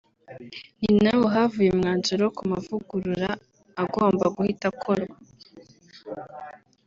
Ni naho havuye umwanzuro ku mavugurura agomba guhita akorwa